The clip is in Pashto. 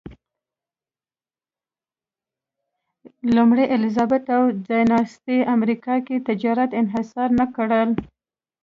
لومړۍ الیزابت او ځایناستي امریکا کې تجارت انحصار نه کړل.